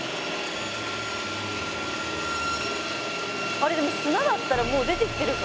あれでも砂だったらもう出てきてるか。